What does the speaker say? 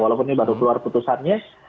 walaupun ini baru keluar putusannya